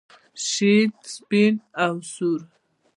شین سپین او سور.